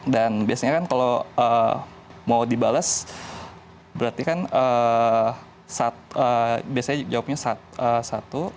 dan biasanya kan kalau mau dibalas berarti kan biasanya jawabannya satu